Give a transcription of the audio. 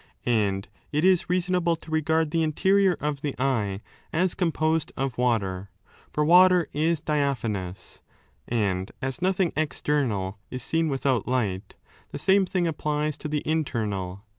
And it is reasonable to regard the interior of the eye as composed 16 of water ; for water is diaphanous. And as nothing external is seen without light, the same thing applies to the internal.